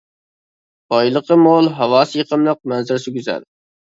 بايلىقى مول، ھاۋاسى يېقىملىق، مەنزىرىسى گۈزەل.